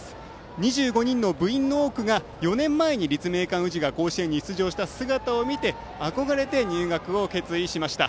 ２５人の部員の多くが、４年前に立命館宇治が甲子園に出場した姿を見て憧れて入学を決意しました。